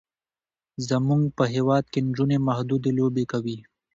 زمونږ په هیواد کې نجونې محدودې لوبې کوي.